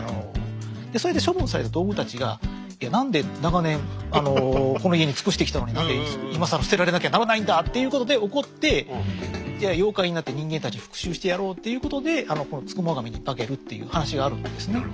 でそれで処分された道具たちが「いや何で長年この家に尽くしてきたのに何で今更捨てられなきゃならないんだ」っていうことで怒ってじゃあ妖怪になって人間たちに復讐してやろうっていうことであのこの付喪神に化けるっていう話があるんですね。